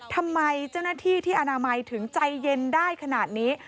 ทำไมเจ้าหน้าที่ที่อนามัยถึงใจเย็นได้ขนาดนี้